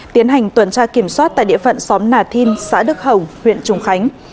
tiến hành tuần tra kiểm soát tại địa phận xóm nà thin xã đức hồng huyện trùng khánh